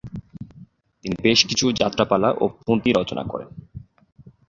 তিনি বেশ কিছু যাত্রাপালা ও পুথি রচনা করেন।